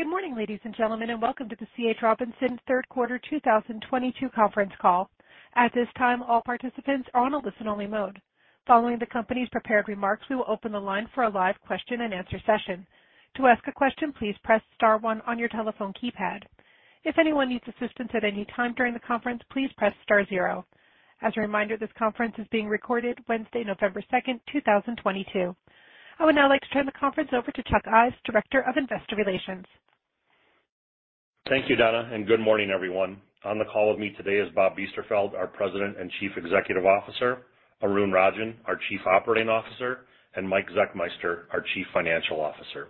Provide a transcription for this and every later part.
Good morning, ladies and gentlemen, and welcome to the C.H. Robinson third quarter 2022 conference call. At this time, all participants are on a listen-only mode. Following the company's prepared remarks, we will open the line for a live question-and-answer session. To ask a question, please press star one on your telephone keypad. If anyone needs assistance at any time during the conference, please press star zero. As a reminder, this conference is being recorded Wednesday, November 2, 2022. I would now like to turn the conference over to Chuck Ives, Director of Investor Relations. Thank you, Donna, and good morning, everyone. On the call with me today is Bob Biesterfeld, our President and Chief Executive Officer, Arun Rajan, our Chief Operating Officer, and Mike Zechmeister, our Chief Financial Officer.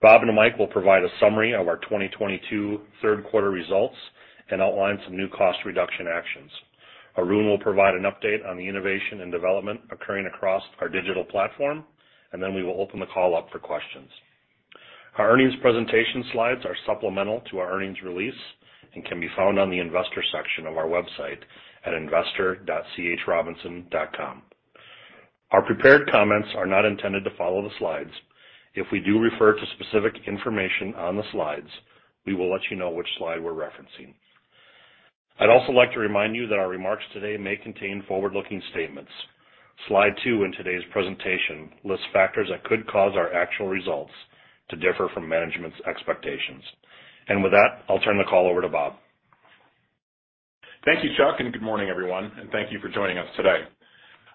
Bob and Mike will provide a summary of our 2022 third quarter results and outline some new cost reduction actions. Arun will provide an update on the innovation and development occurring across our digital platform, and then we will open the call up for questions. Our earnings presentation slides are supplemental to our earnings release and can be found on the investor section of our website at investor.chrobinson.com. Our prepared comments are not intended to follow the slides. If we do refer to specific information on the slides, we will let you know which slide we're referencing. I'd also like to remind you that our remarks today may contain forward-looking statements. Slide 2 in today's presentation lists factors that could cause our actual results to differ from management's expectations. With that, I'll turn the call over to Bob. Thank you, Chuck, and good morning, everyone, and thank you for joining us today.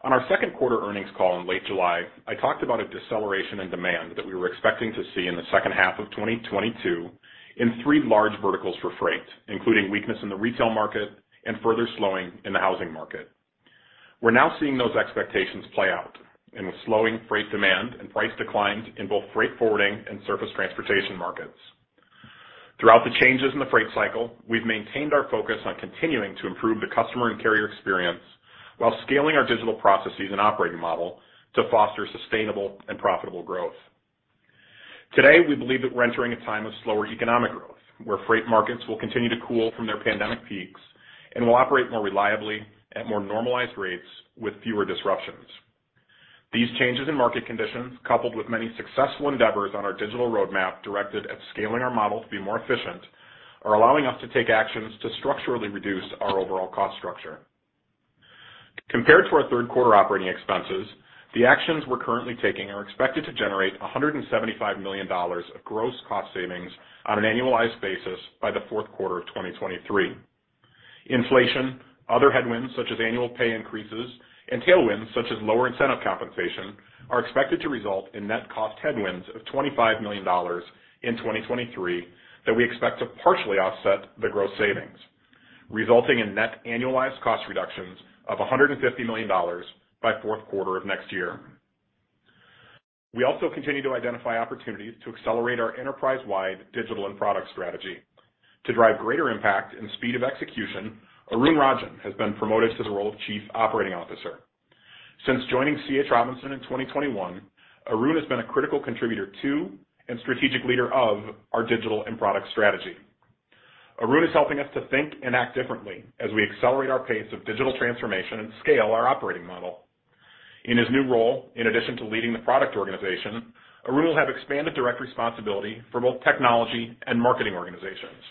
On our second quarter earnings call in late July, I talked about a deceleration in demand that we were expecting to see in the second half of 2022 in three large verticals for freight, including weakness in the retail market and further slowing in the housing market. We're now seeing those expectations play out in the slowing freight demand and price declines in both freight forwarding and surface transportation markets. Throughout the changes in the freight cycle, we've maintained our focus on continuing to improve the customer and carrier experience while scaling our digital processes and operating model to foster sustainable and profitable growth. Today, we believe that we're entering a time of slower economic growth, where freight markets will continue to cool from their pandemic peaks and will operate more reliably at more normalized rates with fewer disruptions. These changes in market conditions, coupled with many successful endeavors on our digital roadmap directed at scaling our model to be more efficient, are allowing us to take actions to structurally reduce our overall cost structure. Compared to our third quarter operating expenses, the actions we're currently taking are expected to generate $175 million of gross cost savings on an annualized basis by the fourth quarter of 2023. Inflation, other headwinds such as annual pay increases, and tailwinds such as lower incentive compensation are expected to result in net cost headwinds of $25 million in 2023 that we expect to partially offset the gross savings, resulting in net annualized cost reductions of $150 million by fourth quarter of next year. We also continue to identify opportunities to accelerate our enterprise-wide digital and product strategy. To drive greater impact and speed of execution, Arun Rajan has been promoted to the role of Chief Operating Officer. Since joining C.H. Robinson in 2021, Arun has been a critical contributor to and strategic leader of our digital and product strategy. Arun is helping us to think and act differently as we accelerate our pace of digital transformation and scale our operating model. In his new role, in addition to leading the product organization, Arun will have expanded direct responsibility for both technology and marketing organizations.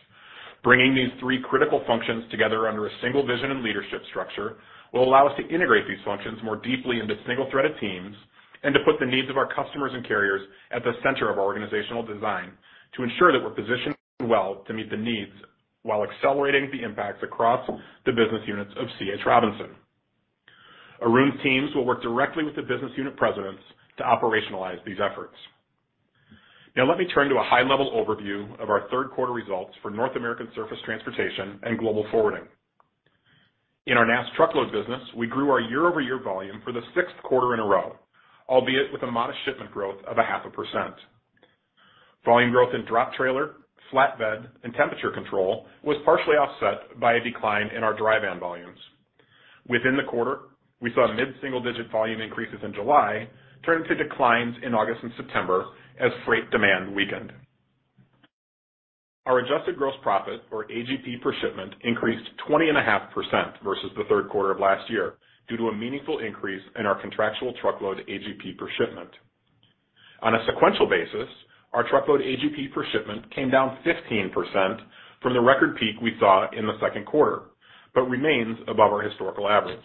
Bringing these three critical functions together under a single vision and leadership structure will allow us to integrate these functions more deeply into single-threaded teams and to put the needs of our customers and carriers at the center of our organizational design to ensure that we're positioned well to meet the needs while accelerating the impacts across the business units of C.H. Robinson. Arun's teams will work directly with the business unit presidents to operationalize these efforts. Now let me turn to a high-level overview of our third quarter results for North American surface transportation and global forwarding. In our NAST truckload business, we grew our year-over-year volume for the sixth quarter in a row, albeit with a modest shipment growth of 0.5%. Volume growth in drop trailer, flatbed, and temperature control was partially offset by a decline in our dry van volumes. Within the quarter, we saw mid-single-digit volume increases in July turn to declines in August and September as freight demand weakened. Our adjusted gross profit, or AGP per shipment, increased 20.5% versus the third quarter of last year due to a meaningful increase in our contractual truckload AGP per shipment. On a sequential basis, our truckload AGP per shipment came down 15% from the record peak we saw in the second quarter, but remains above our historical average.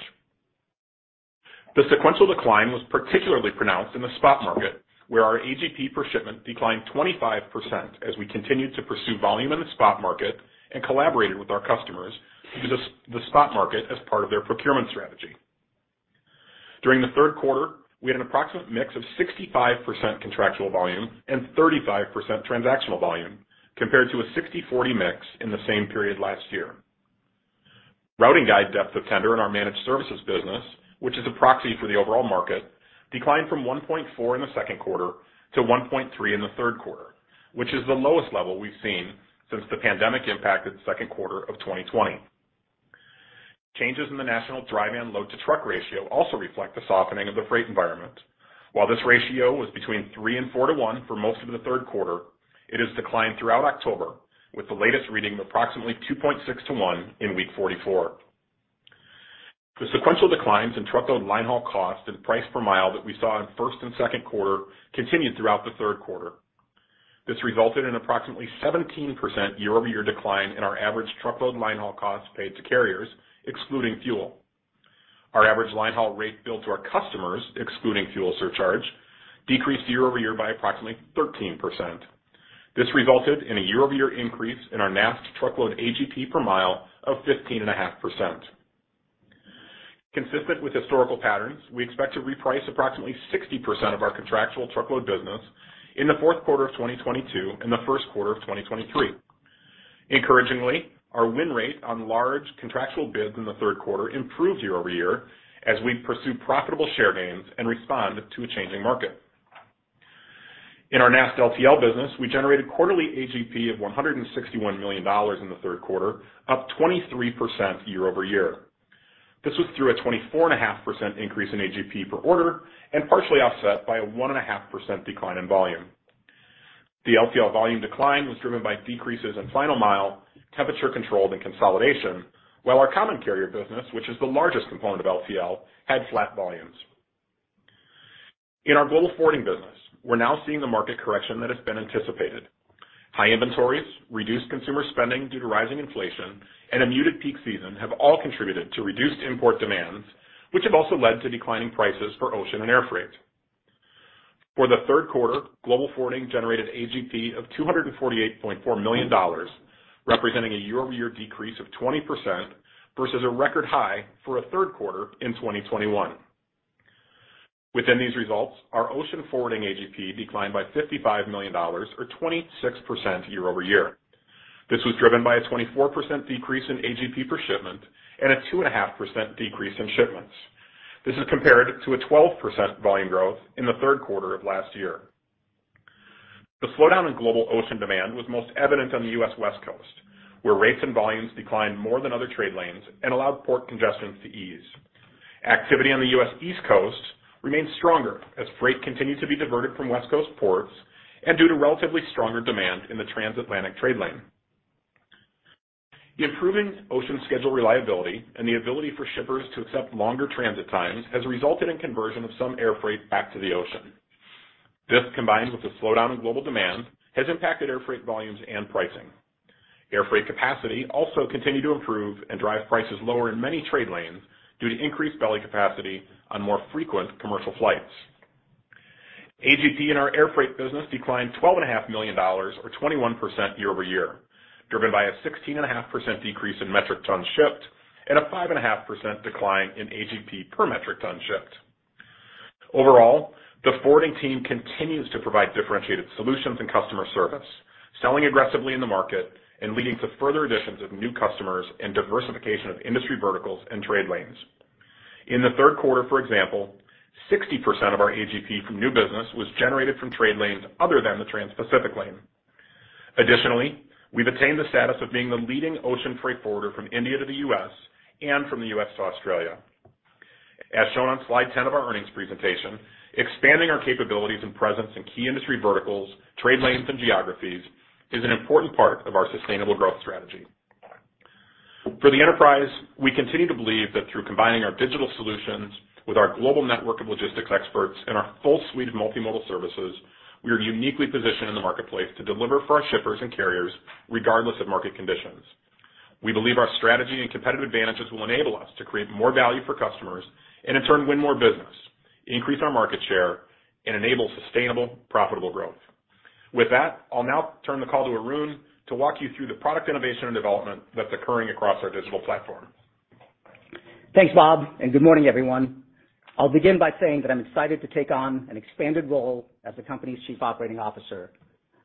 The sequential decline was particularly pronounced in the spot market, where our AGP per shipment declined 25% as we continued to pursue volume in the spot market and collaborated with our customers to use the spot market as part of their procurement strategy. During the third quarter, we had an approximate mix of 65% contractual volume and 35% transactional volume compared to a 60-40 mix in the same period last year. Routing Guide depth of tender in our Managed Services business, which is a proxy for the overall market, declined from 1.4 in the second quarter to 1.3 in the third quarter, which is the lowest level we've seen since the pandemic impacted second quarter of 2020. Changes in the national dry van load to truck ratio also reflect the softening of the freight environment. While this ratio was between 3-to-1 and 4-to-1 for most of the third quarter, it has declined throughout October, with the latest reading approximately 2.6-to-1 in week 44. The sequential declines in truckload linehaul cost and price per mile that we saw in first and second quarter continued throughout the third quarter. This resulted in approximately 17% year-over-year decline in our average truckload linehaul costs paid to carriers, excluding fuel. Our average linehaul rate billed to our customers, excluding fuel surcharge, decreased year-over-year by approximately 13%. This resulted in a year-over-year increase in our NAST truckload AGP per mile of 15.5%. Consistent with historical patterns, we expect to reprice approximately 60% of our contractual truckload business in the fourth quarter of 2022 and the first quarter of 2023. Encouragingly, our win rate on large contractual bids in the third quarter improved year-over-year as we pursue profitable share gains and respond to a changing market. In our NAST LTL business, we generated quarterly AGP of $161 million in the third quarter, up 23% year-over-year. This was through a 24.5% increase in AGP per order and partially offset by a 1.5% decline in volume. The LTL volume decline was driven by decreases in final mile, temperature controlled, and consolidation, while our common carrier business, which is the largest component of LTL, had flat volumes. In our global forwarding business, we're now seeing the market correction that has been anticipated. High inventories, reduced consumer spending due to rising inflation, and a muted peak season have all contributed to reduced import demands, which have also led to declining prices for ocean and air freight. For the third quarter, global forwarding generated AGP of $248.4 million, representing a year-over-year decrease of 20% versus a record high for a third quarter in 2021. Within these results, our ocean forwarding AGP declined by $55 million or 26% year-over-year. This was driven by a 24% decrease in AGP per shipment and a 2.5% decrease in shipments. This is compared to a 12% volume growth in the third quarter of last year. The slowdown in global ocean demand was most evident on the U.S. West Coast, where rates and volumes declined more than other trade lanes and allowed port congestions to ease. Activity on the U.S. East Coast remained stronger as freight continued to be diverted from West Coast ports and due to relatively stronger demand in the transatlantic trade lane. The improving ocean schedule reliability and the ability for shippers to accept longer transit times has resulted in conversion of some air freight back to the ocean. This, combined with the slowdown in global demand, has impacted air freight volumes and pricing. Air freight capacity also continued to improve and drive prices lower in many trade lanes due to increased belly capacity on more frequent commercial flights. AGP in our air freight business declined $12.5 million or 21% year-over-year, driven by a 16.5% decrease in metric tons shipped and a 5.5% decline in AGP per metric ton shipped. Overall, the forwarding team continues to provide differentiated solutions and customer service, selling aggressively in the market and leading to further additions of new customers and diversification of industry verticals and trade lanes. In the third quarter, for example, 60% of our AGP from new business was generated from trade lanes other than the Trans-Pacific lane. Additionally, we've attained the status of being the leading ocean freight forwarder from India to the U.S. and from the U.S. to Australia. As shown on slide 10 of our earnings presentation, expanding our capabilities and presence in key industry verticals, trade lanes, and geographies is an important part of our sustainable growth strategy. For the enterprise, we continue to believe that through combining our digital solutions with our global network of logistics experts and our full suite of multimodal services, we are uniquely positioned in the marketplace to deliver for our shippers and carriers regardless of market conditions. We believe our strategy and competitive advantages will enable us to create more value for customers and in turn, win more business, increase our market share, and enable sustainable, profitable growth. With that, I'll now turn the call to Arun to walk you through the product innovation and development that's occurring across our digital platforms. Thanks, Bob, and good morning, everyone. I'll begin by saying that I'm excited to take on an expanded role as the company's chief operating officer.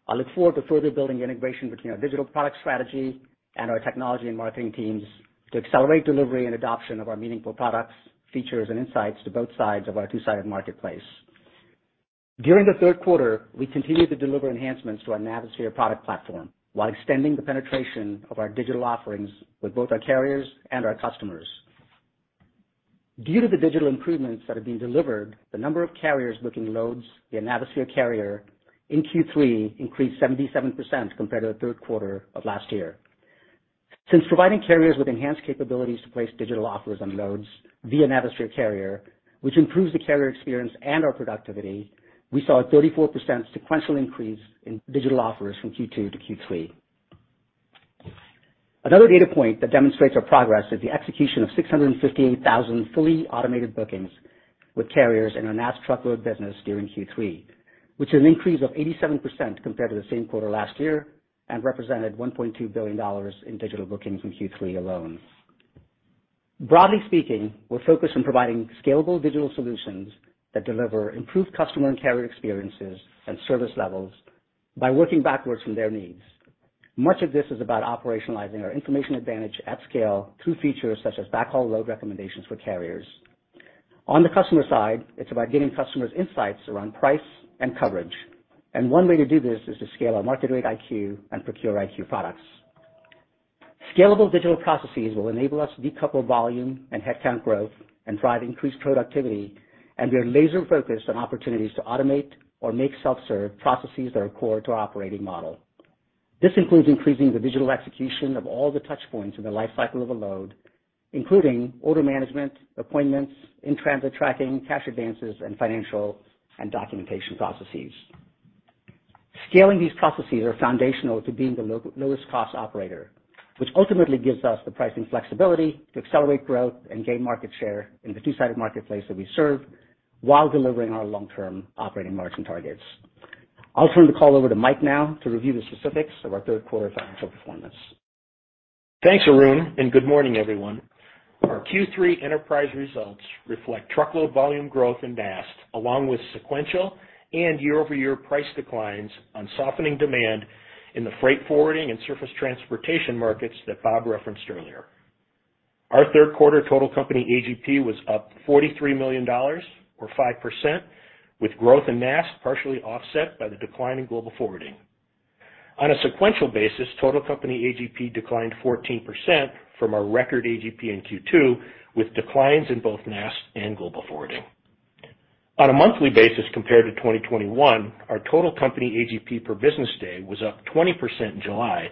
I look forward to further building integration between our digital product strategy and our technology and marketing teams to accelerate delivery and adoption of our meaningful products, features, and insights to both sides of our two-sided marketplace. During the third quarter, we continued to deliver enhancements to our Navisphere product platform while extending the penetration of our digital offerings with both our carriers and our customers. Due to the digital improvements that have been delivered, the number of carriers booking loads via Navisphere Carrier in Q3 increased 77% compared to the third quarter of last year. Since providing carriers with enhanced capabilities to place digital offers on loads via Navisphere Carrier, which improves the carrier experience and our productivity, we saw a 34% sequential increase in digital offers from Q2 to Q3. Another data point that demonstrates our progress is the execution of 658,000 fully automated bookings with carriers in our NAST truckload business during Q3, which is an increase of 87% compared to the same quarter last year and represented $1.2 billion in digital bookings in Q3 alone. Broadly speaking, we're focused on providing scalable digital solutions that deliver improved customer and carrier experiences and service levels by working backwards from their needs. Much of this is about operationalizing our information advantage at scale through features such as backhaul load recommendations for carriers. On the customer side, it's about giving customers insights around price and coverage. One way to do this is to scale our Market Rate IQ and ProcureIQ products. Scalable digital processes will enable us to decouple volume and headcount growth and drive increased productivity, and we are laser-focused on opportunities to automate or make self-serve processes that are core to our operating model. This includes increasing the digital execution of all the touch points in the life cycle of a load, including order management, appointments, in-transit tracking, cash advances, and financial and documentation processes. Scaling these processes are foundational to being the lowest cost operator, which ultimately gives us the pricing flexibility to accelerate growth and gain market share in the two-sided marketplace that we serve while delivering our long-term operating margin targets. I'll turn the call over to Mike now to review the specifics of our third quarter financial performance. Thanks, Arun, and good morning, everyone. Our Q3 enterprise results reflect truckload volume growth in NAST, along with sequential and year-over-year price declines on softening demand in the freight forwarding and surface transportation markets that Bob referenced earlier. Our third quarter total company AGP was up $43 million or 5%, with growth in NAST partially offset by the decline in global forwarding. On a sequential basis, total company AGP declined 14% from our record AGP in Q2, with declines in both NAST and global forwarding. On a monthly basis compared to 2021, our total company AGP per business day was up 20% in July,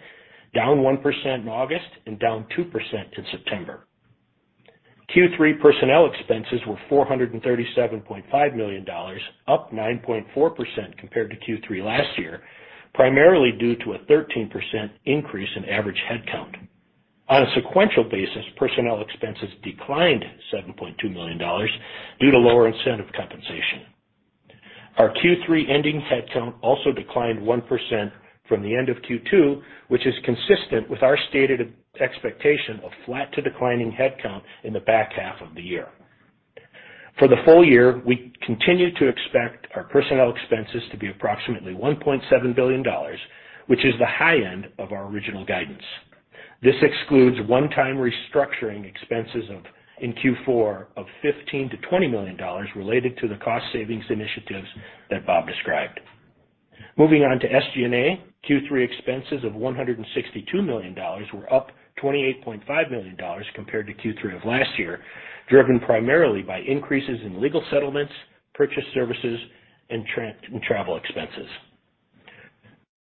down 1% in August, and down 2% in September. Q3 personnel expenses were $437.5 million, up 9.4% compared to Q3 last year, primarily due to a 13% increase in average headcount. On a sequential basis, personnel expenses declined $7.2 million due to lower incentive compensation. Our Q3 ending headcount also declined 1% from the end of Q2, which is consistent with our stated expectation of flat to declining headcount in the back half of the year. For the full year, we continue to expect our personnel expenses to be approximately $1.7 billion, which is the high end of our original guidance. This excludes one-time restructuring expenses of $15 million to $20 million in Q4 related to the cost savings initiatives that Bob described. Moving on to SG&A, Q3 expenses of $162 million were up $28.5 million compared to Q3 of last year, driven primarily by increases in legal settlements, purchase services, and travel expenses.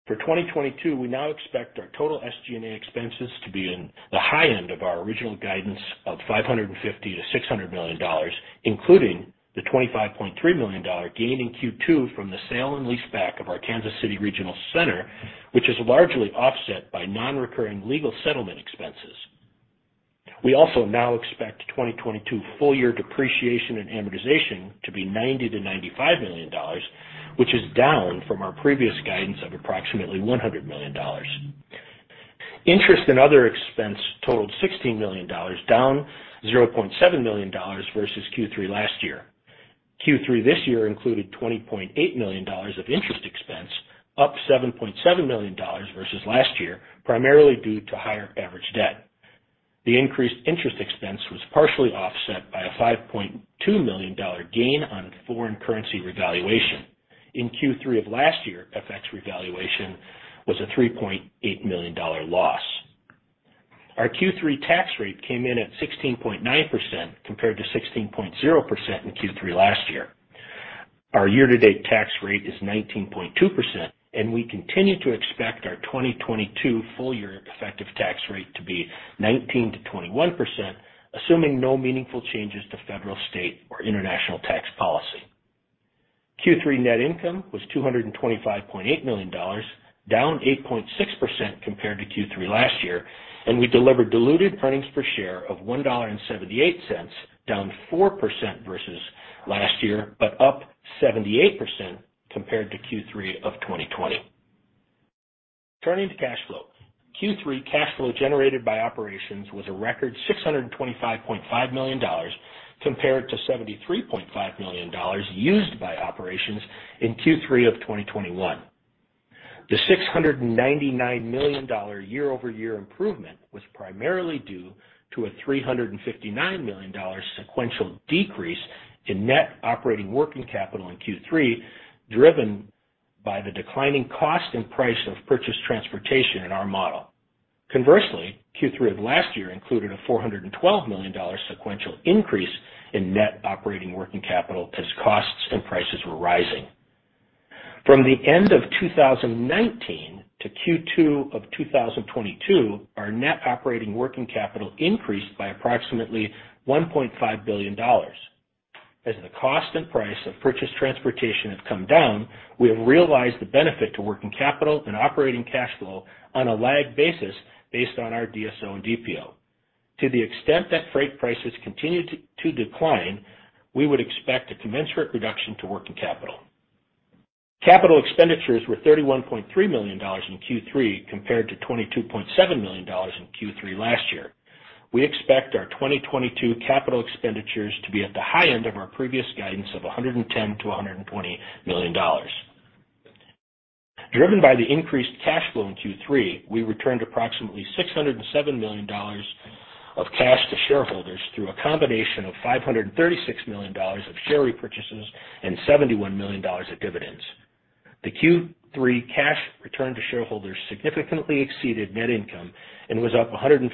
For 2022, we now expect our total SG&A expenses to be in the high end of our original guidance of $550 million to $600 million, including the $25.3 million gain in Q2 from the sale and leaseback of our Kansas City Regional Center, which is largely offset by non-recurring legal settlement expenses. We also now expect 2022 full year depreciation and amortization to be $90 million to $95 million, which is down from our previous guidance of approximately $100 million. Interest and other expense totaled $16 million, down $0.7 million versus Q3 last year. Q3 this year included $20.8 million of interest expense, up $7.7 million versus last year, primarily due to higher average debt. The increased interest expense was partially offset by a $5.2 million gain on foreign currency revaluation. In Q3 of last year, FX revaluation was a $3.8 million loss. Our Q3 tax rate came in at 16.9% compared to 16.0% in Q3 last year. Our year-to-date tax rate is 19.2%, and we continue to expect our 2022 full year effective tax rate to be 19% to 21%, assuming no meaningful changes to federal, state, or international tax policy. Q3 net income was $225.8 million, down 8.6% compared to Q3 last year, and we delivered diluted earnings per share of $1.78, down 4% versus last year, but up 78% compared to Q3 of 2020. Turning to cash flow. Q3 cash flow generated by operations was a record $625.5 million compared to $73.5 million used by operations in Q3 of 2021. The $699 million year-over-year improvement was primarily due to a $359 million sequential decrease in net operating working capital in Q3, driven by the declining cost and price of purchase transportation in our model. Conversely, Q3 of last year included a $412 million sequential increase in net operating working capital as costs and prices were rising. From the end of 2019 to Q2 of 2022, our net operating working capital increased by approximately $1.5 billion. As the cost and price of purchase transportation have come down, we have realized the benefit to working capital and operating cash flow on a lagged basis based on our DSO and DPO. To the extent that freight prices continue to decline, we would expect a commensurate reduction to working capital. Capital expenditures were $31.3 million in Q3, compared to $22.7 million in Q3 last year. We expect our 2022 capital expenditures to be at the high end of our previous guidance of $110 million to $120 million. Driven by the increased cash flow in Q3, we returned approximately $607 million of cash to shareholders through a combination of $536 million of share repurchases and $71 million of dividends. The Q3 cash return to shareholders significantly exceeded net income and was up 156%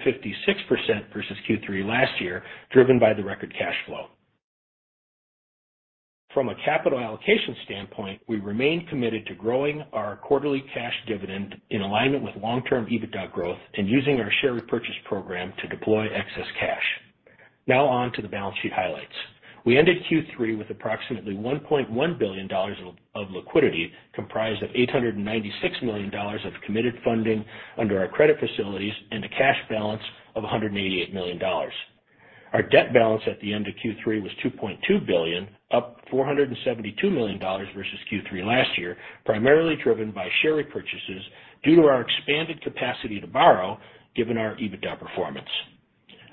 versus Q3 last year, driven by the record cash flow. From a capital allocation standpoint, we remain committed to growing our quarterly cash dividend in alignment with long-term EBITDA growth and using our share repurchase program to deploy excess cash. Now on to the balance sheet highlights. We ended Q3 with approximately $1.1 billion of liquidity, comprised of $896 million of committed funding under our credit facilities and a cash balance of $188 million. Our debt balance at the end of Q3 was $2.2 billion, up $472 million versus Q3 last year, primarily driven by share repurchases due to our expanded capacity to borrow given our EBITDA performance.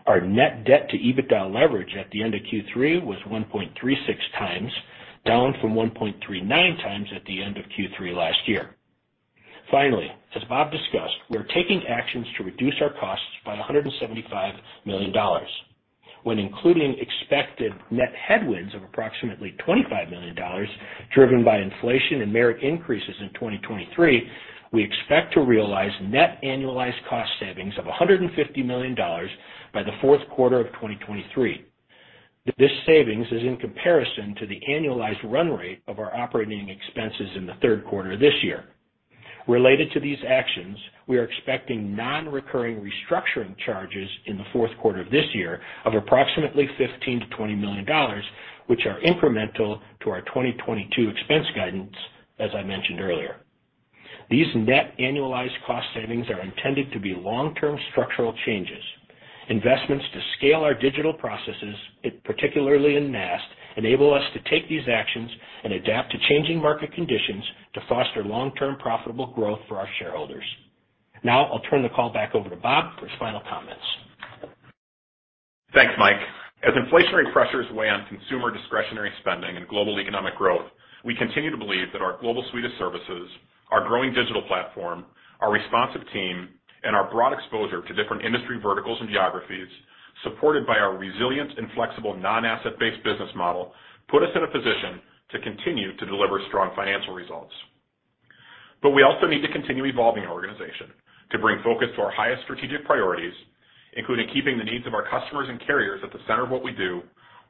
Our net debt to EBITDA leverage at the end of Q3 was 1.36 times, down from 1.39 times at the end of Q3 last year. Finally, as Bob discussed, we're taking actions to reduce our costs by $175 million. When including expected net headwinds of approximately $25 million, driven by inflation and merit increases in 2023, we expect to realize net annualized cost savings of $150 million by the fourth quarter of 2023. This savings is in comparison to the annualized run rate of our operating expenses in the third quarter this year. Related to these actions, we are expecting non-recurring restructuring charges in the fourth quarter of this year of approximately $15-$20 million, which are incremental to our 2022 expense guidance, as I mentioned earlier. These net annualized cost savings are intended to be long-term structural changes. Investments to scale our digital processes, particularly in NAST, enable us to take these actions and adapt to changing market conditions to foster long-term profitable growth for our shareholders. Now I'll turn the call back over to Bob for his final comments. Thanks, Mike. As inflationary pressures weigh on consumer discretionary spending and global economic growth, we continue to believe that our global suite of services, our growing digital platform, our responsive team, and our broad exposure to different industry verticals and geographies, supported by our resilient and flexible non-asset-based business model, put us in a position to continue to deliver strong financial results. We also need to continue evolving our organization to bring focus to our highest strategic priorities, including keeping the needs of our customers and carriers at the center of what we do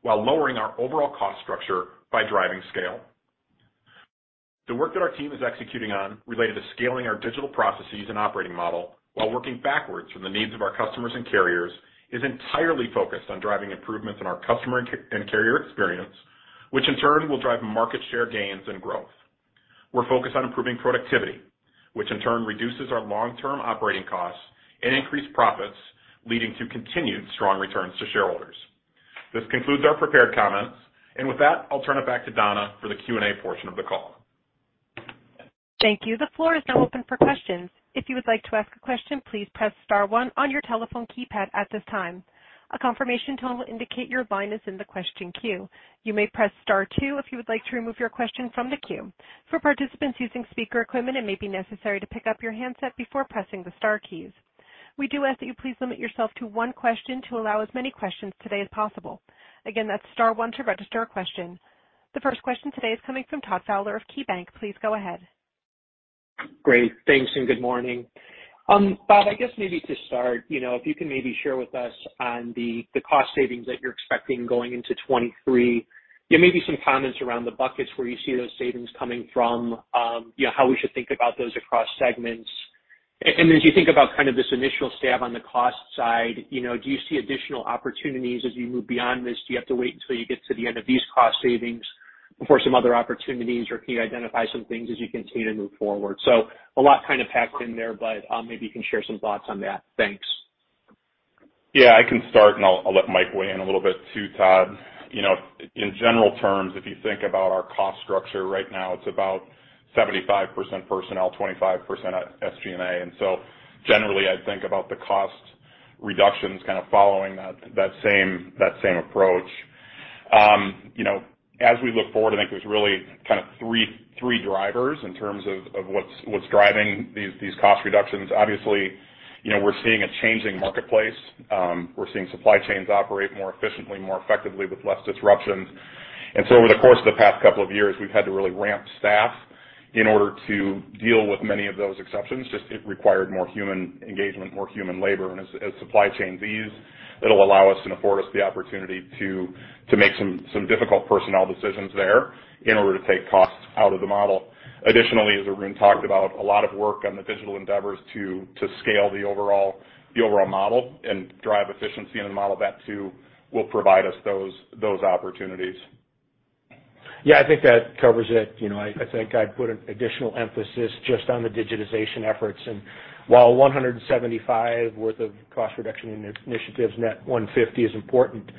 while lowering our overall cost structure by driving scale. The work that our team is executing on related to scaling our digital processes and operating model while working backwards from the needs of our customers and carriers is entirely focused on driving improvements in our customer and carrier experience, which in turn will drive market share gains and growth. We're focused on improving productivity, which in turn reduces our long-term operating costs and increase profits, leading to continued strong returns to shareholders. This concludes our prepared comments. With that, I'll turn it back to Donna for the Q&A portion of the call. Thank you. The floor is now open for questions. If you would like to ask a question, please press star one on your telephone keypad at this time. A confirmation tone will indicate your line is in the question queue. You may press star two if you would like to remove your question from the queue. For participants using speaker equipment, it may be necessary to pick up your handset before pressing the star keys. We do ask that you please limit yourself to one question to allow as many questions today as possible. Again, that's star one to register a question. The first question today is coming from Todd Fowler of KeyBanc. Please go ahead. Great. Thanks, and good morning. Bob, I guess maybe to start, you know, if you can maybe share with us on the cost savings that you're expecting going into 2023. Yeah, maybe some comments around the buckets where you see those savings coming from. You know, how we should think about those across segments. And as you think about kind of this initial stab on the cost side, you know, do you see additional opportunities as you move beyond this? Do you have to wait until you get to the end of these cost savings before some other opportunities, or can you identify some things as you continue to move forward? A lot kind of packed in there, but maybe you can share some thoughts on that. Thanks. Yeah, I can start, and I'll let Mike weigh in a little bit too, Todd. You know, in general terms, if you think about our cost structure right now, it's about 75% personnel, 25% SG&A. Generally, I'd think about the cost reductions kind of following that same approach. You know, as we look forward, I think there's really kind of three drivers in terms of what's driving these cost reductions. Obviously, you know, we're seeing a changing marketplace. We're seeing supply chains operate more efficiently, more effectively with less disruptions. Over the course of the past couple of years, we've had to really ramp staff in order to deal with many of those exceptions. Just it required more human engagement, more human labor. As supply chain ease, it will allow us and afford us the opportunity to make some difficult personnel decisions there in order to take costs out of the model. Additionally, as Arun talked about, a lot of work on the digital endeavors to scale the overall model and drive efficiency in the model. That too will provide us those opportunities. Yeah, I think that covers it. You know, I think I'd put an additional emphasis just on the digitization efforts. While $175 worth of cost reduction initiatives, net $150 is important,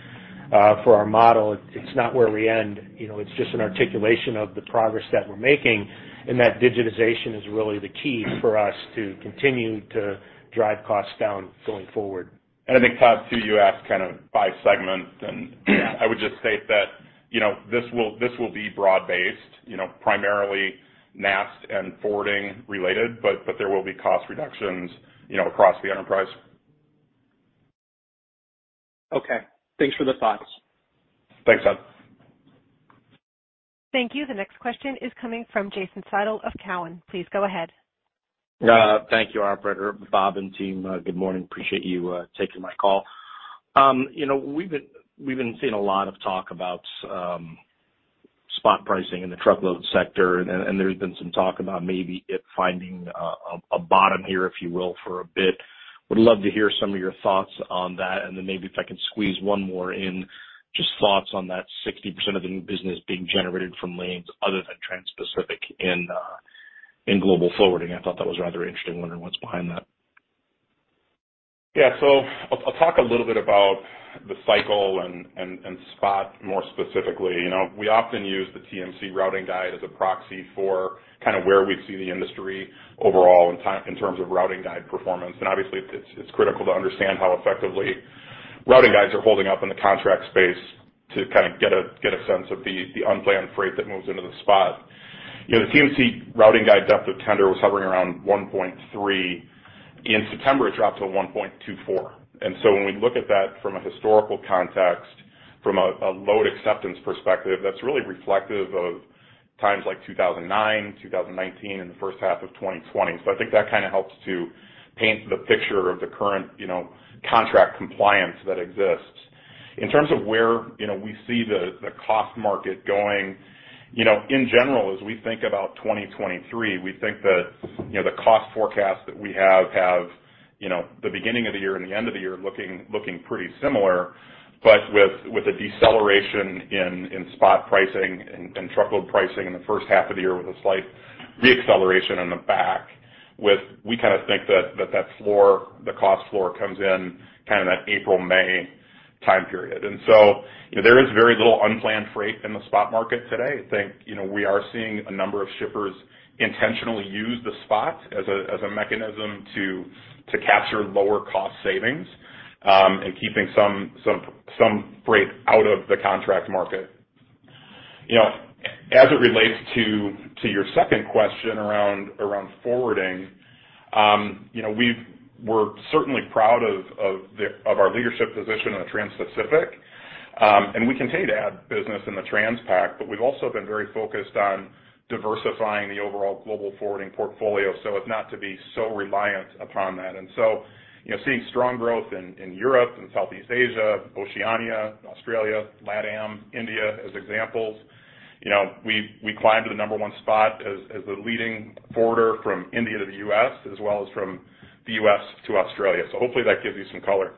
for our model, it's not where we end. You know, it's just an articulation of the progress that we're making, and that digitization is really the key for us to continue to drive costs down going forward. I think, Todd, too, you asked kind of by segment, and I would just state that, you know, this will be broad-based, you know, primarily NAST and forwarding related, but there will be cost reductions, you know, across the enterprise. Okay. Thanks for the thoughts. Thanks, Todd. Thank you. The next question is coming from Jason Seidl of Cowen. Please go ahead. Thank you operator. Bob and team, good morning. Appreciate you taking my call. You know, we've been seeing a lot of talk about spot pricing in the truckload sector, and there's been some talk about maybe it finding a bottom here, if you will, for a bit. Would love to hear some of your thoughts on that. Maybe if I can squeeze one more in, just thoughts on that 60% of the new business being generated from lanes other than Transpacific in global forwarding. I thought that was rather interesting. Wondering what's behind that. Yeah. I'll talk a little bit about the cycle and spot more specifically. You know, we often use the TMC Routing Guide as a proxy for kind of where we see the industry overall in terms of routing guide performance. Obviously it's critical to understand how effectively routing guides are holding up in the contract space to kind of get a sense of the unplanned freight that moves into the spot. You know, the TMC Routing Guide depth of tender was hovering around 1.3. In September, it dropped to 1.24. When we look at that from a historical context, from a load acceptance perspective, that's really reflective of times like 2009, 2019, and the first half of 2020. I think that kind of helps to paint the picture of the current, you know, contract compliance that exists. In terms of where, you know, we see the cost market going, you know, in general, as we think about 2023, we think that, you know, the cost forecast that we have, you know, the beginning of the year and the end of the year looking pretty similar, but with a deceleration in spot pricing and truckload pricing in the first half of the year with a slight re-acceleration on the back with, we kind of think that that floor, the cost floor comes in kind of that April-May time period. There is very little unplanned freight in the spot market today. I think, you know, we are seeing a number of shippers intentionally use the spot as a mechanism to capture lower cost savings in keeping some freight out of the contract market. You know, as it relates to your second question around forwarding, you know, we're certainly proud of our leadership position on the Transpacific. We continue to add business in the Transpac, but we've also been very focused on diversifying the overall global forwarding portfolio, so as not to be so reliant upon that. You know, seeing strong growth in Europe and Southeast Asia, Oceania, Australia, LATAM, India as examples. You know, we climbed to the number one spot as the leading forwarder from India to the U.S. as well as from the U.S. to Australia. Hopefully that gives you some color.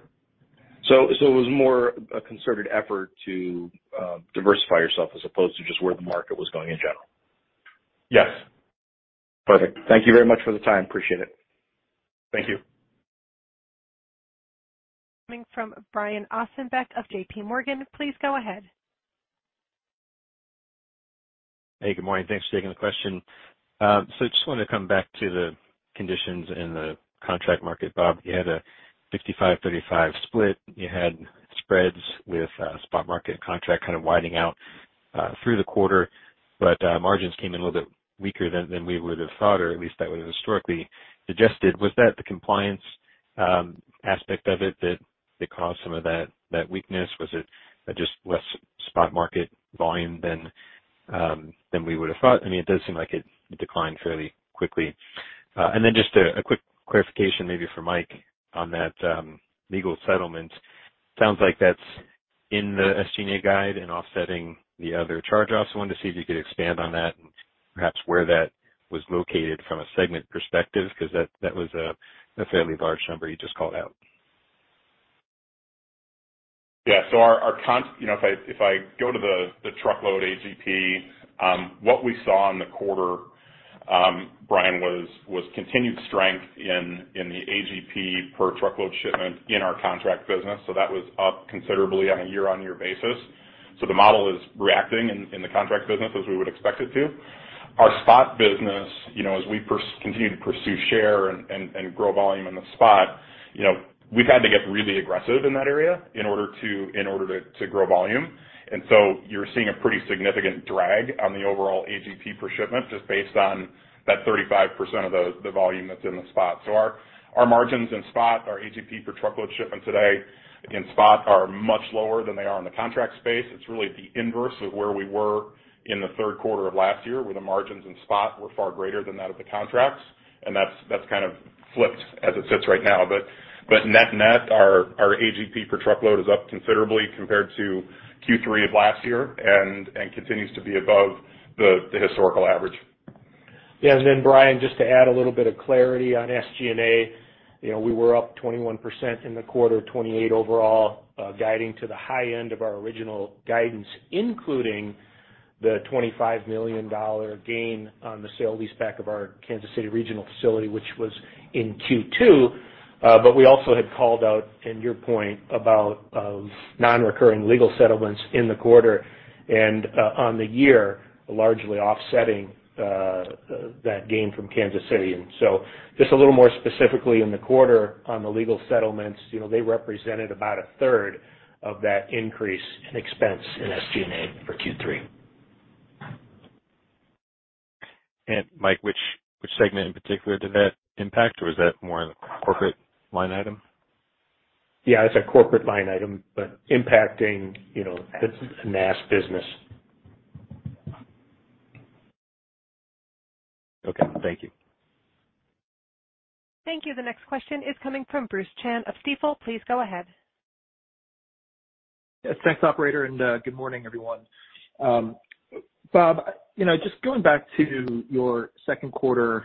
It was more a concerted effort to diversify yourself as opposed to just where the market was going in general? Yes. Perfect. Thank you very much for the time. Appreciate it. Thank you. Coming from Brian Ossenbeck of JPMorgan. Please go ahead. Hey, good morning. Thanks for taking the question. Just wanted to come back to the conditions in the contract market. Bob, you had a 55-35 split. You had spreads with spot market contract kind of widening out through the quarter, but margins came in a little bit weaker than we would have thought, or at least that would have historically suggested. Was that the compliance aspect of it that caused some of that weakness? Was it just less spot market volume than we would have thought? I mean, it does seem like it declined fairly quickly. Just a quick clarification maybe for Mike on that legal settlement. Sounds like that's in the SG&A guide and offsetting the other charge-offs. Wanted to see if you could expand on that and perhaps where that was located from a segment perspective, because that was a fairly large number you just called out? Yeah. You know, if I go to the truckload AGP, what we saw in the quarter, Brian, was continued strength in the AGP per truckload shipment in our contract business. That was up considerably on a year-on-year basis. The model is reacting in the contract business as we would expect it to. Our spot business, you know, as we continue to pursue share and grow volume in the spot, you know, we've had to get really aggressive in that area in order to grow volume. You're seeing a pretty significant drag on the overall AGP per shipment just based on that 35% of the volume that's in the spot. Our margins in spot, our AGP per truckload shipment today in spot are much lower than they are in the contract space. It's really the inverse of where we were in the third quarter of last year, where the margins in spot were far greater than that of the contracts. That's kind of flipped as it sits right now. Net-net, our AGP per truckload is up considerably compared to Q3 of last year and continues to be above the historical average. Yeah. Then Brian, just to add a little bit of clarity on SG&A. You know, we were up 21% in the quarter, 28% overall, guiding to the high end of our original guidance, including the $25 million gain on the sale-leaseback of our Kansas City regional facility, which was in Q2. We also had called out, and your point about, non-recurring legal settlements in the quarter and, on the year, largely offsetting, that gain from Kansas City. Just a little more specifically in the quarter on the legal settlements, you know, they represented about a third of that increase in expense in SG&A for Q3. Mike, which segment in particular did that impact, or was that more corporate line item? Yeah, it's a corporate line item, but impacting, you know, the NAST business. Okay. Thank you. Thank you. The next question is coming from Bruce Chan of Stifel. Please go ahead. Yes, thanks, operator, and good morning, everyone. Bob, you know, just going back to your second quarter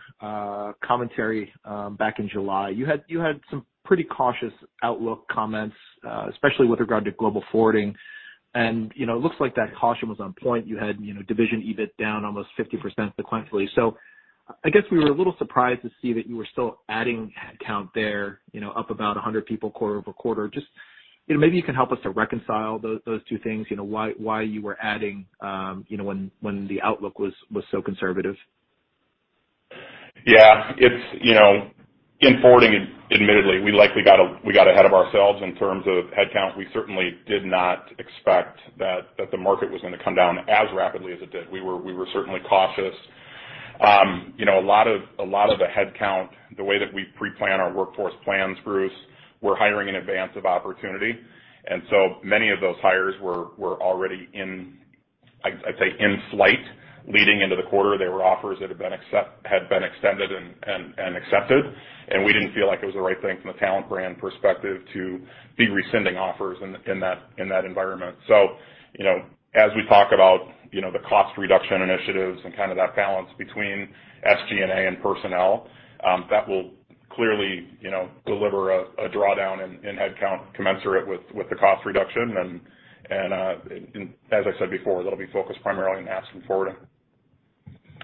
commentary back in July. You had some pretty cautious outlook comments, especially with regard to global forwarding. You know, it looks like that caution was on point. You had, you know, division EBIT down almost 50% sequentially. I guess we were a little surprised to see that you were still adding headcount there, you know, up about 100 people quarter-over-quarter. Just, you know, maybe you can help us to reconcile those two things. You know, why you were adding, you know, when the outlook was so conservative. Yeah, it's, you know, in forwarding, admittedly, we likely got ahead of ourselves in terms of headcount. We certainly did not expect that the market was gonna come down as rapidly as it did. We were certainly cautious. You know, a lot of the headcount, the way that we pre-plan our workforce plans, Bruce, we're hiring in advance of opportunity. So many of those hires were already in, I'd say, in flight leading into the quarter. There were offers that had been extended and accepted, and we didn't feel like it was the right thing from a talent brand perspective to be rescinding offers in that environment. You know, as we talk about, you know, the cost reduction initiatives and kind of that balance between SG&A and personnel, that will clearly, you know, deliver a drawdown in headcount commensurate with the cost reduction. As I said before, that'll be focused primarily on NAST and forwarding.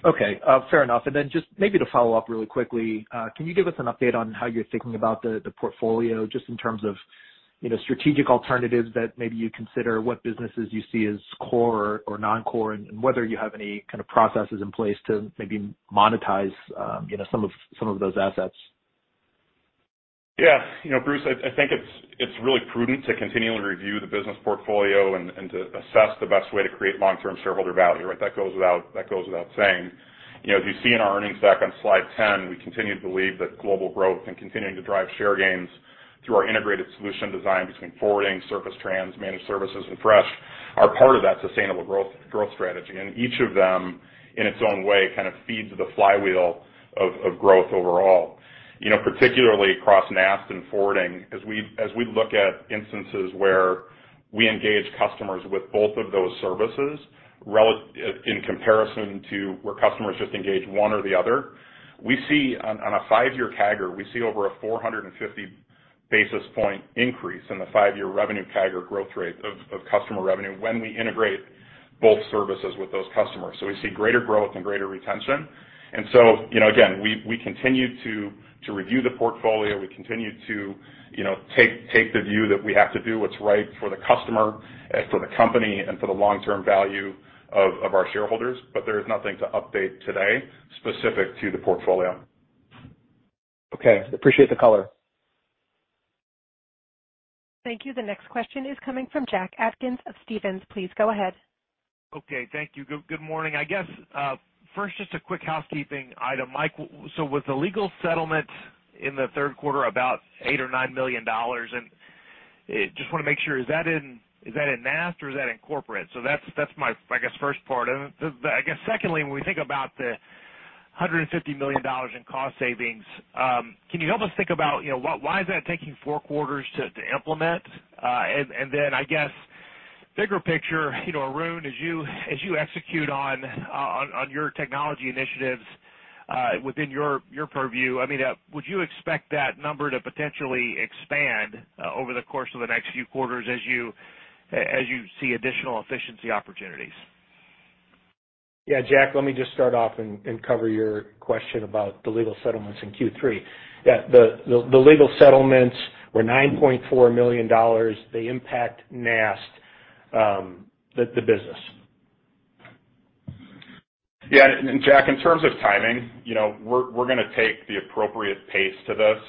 Okay, fair enough. Just maybe to follow up really quickly, can you give us an update on how you're thinking about the portfolio just in terms of, you know, strategic alternatives that maybe you consider what businesses you see as core or non-core, and whether you have any kind of processes in place to maybe monetize, you know, some of those assets? Yeah. You know, Bruce, I think it's really prudent to continually review the business portfolio and to assess the best way to create long-term shareholder value, right? That goes without saying. You know, as you see in our earnings deck on slide 10, we continue to believe that global growth and continuing to drive share gains through our integrated solution design between forwarding, surface transportation, Managed Services, and Robinson Fresh are part of that sustainable growth strategy. Each of them, in its own way, kind of feeds the flywheel of growth overall. You know, particularly across NAST and forwarding, as we look at instances where we engage customers with both of those services in comparison to where customers just engage one or the other, we see on a five-year CAGR, we see over a 450 basis point increase in the five-year revenue CAGR growth rate of customer revenue when we integrate both services with those customers. We see greater growth and greater retention. You know, again, we continue to review the portfolio. We continue to, you know, take the view that we have to do what's right for the customer and for the company and for the long-term value of our shareholders. There is nothing to update today specific to the portfolio. Okay. Appreciate the color. Thank you. The next question is coming from Jack Atkins of Stephens. Please go ahead. Okay, thank you. Good morning. I guess, first just a quick housekeeping item. Mike, so was the legal settlement in the third quarter about $8 million or $9 million? Just wanna make sure, is that in NAST or is that in corporate? That's my, I guess, first part. I guess secondly, when we think about the $150 million in cost savings, can you help us think about, you know, why is that taking four quarters to implement? I guess bigger picture, you know, Arun, as you execute on your technology initiatives within your purview, I mean, would you expect that number to potentially expand over the course of the next few quarters as you see additional efficiency opportunities? Yeah. Jack, let me just start off and cover your question about the legal settlements in Q3. Yeah, the legal settlements were $9.4 million. They impact NAST, the business. Yeah. Jack, in terms of timing, you know, we're gonna take the appropriate pace to this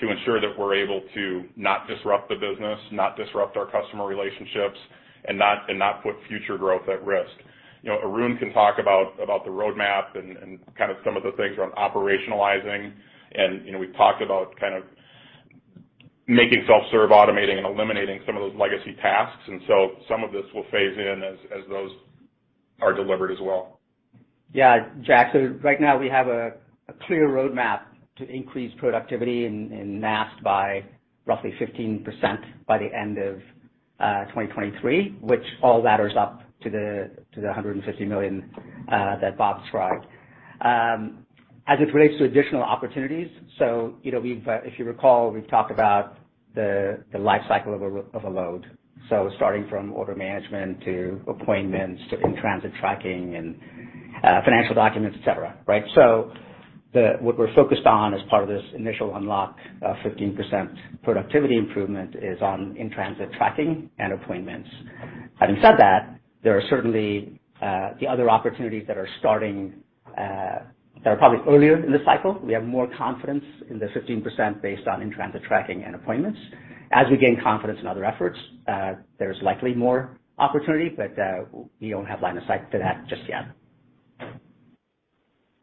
to ensure that we're able to not disrupt the business, not disrupt our customer relationships, and not put future growth at risk. You know, Arun can talk about the roadmap and kind of some of the things around operationalizing. You know, we've talked about kind of making self-serve automating and eliminating some of those legacy tasks. Some of this will phase in as those are delivered as well. Yeah. Jack, so right now we have a clear roadmap to increase productivity in NAST by roughly 15% by the end of 2023, which all ladders up to the $150 million that Bob described. As it relates to additional opportunities, you know, if you recall, we've talked about the life cycle of a load. Starting from order management to appointments to in-transit tracking and financial documents, et cetera, right? What we're focused on as part of this initial unlock, 15% productivity improvement is on in-transit tracking and appointments. Having said that, there are certainly the other opportunities that are starting that are probably earlier in the cycle. We have more confidence in the 15% based on in-transit tracking and appointments. As we gain confidence in other efforts, there's likely more opportunity, but we don't have line of sight for that just yet.